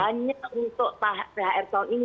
hanya untuk thr tahun ini